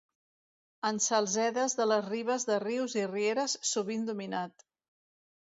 En salzedes de les ribes de rius i rieres, sovint dominat.